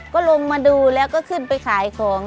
ก็ลงมาดูแล้วก็ขึ้นไปขายของ